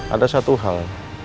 ada satu hal